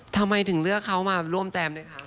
ทำไมถึงเลือกเขามาร่วมแจมเลยคะ